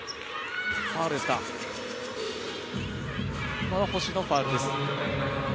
ここは星のファウルです。